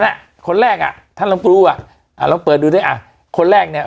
นั่นอ่ะคนแรกอ่ะท่านลำปูอ่ะอ่าเราเปิดดูด้วยอ่ะคนแรกเนี้ย